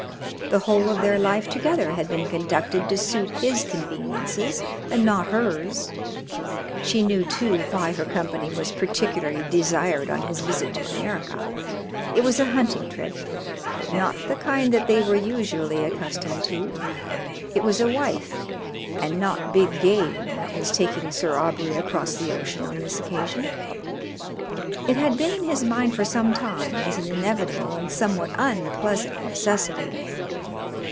The whole of their life together had been conducted to suit his conveniences and not hers. She knew, too, why her company was particularly desired on his visit to America. It was a hunting trip, but not the kind that they were usually accustomed to: it was a wife and not big game that was taking Sir Aubrey across the ocean on this occasion. It had been in his mind for some time as an inevitable and somewhat unpleasant necessity.